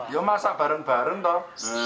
yuk masak bareng bareng toh